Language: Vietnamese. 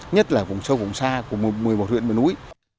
nhất là vùng sâu vùng xa của một mươi một huyện miền núi